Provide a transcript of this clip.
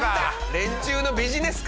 連中のビジネスか。